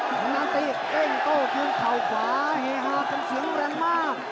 ทางด้านตีเด้งโต้คืนเข่าขวาเฮฮากันเสียงแรงมาก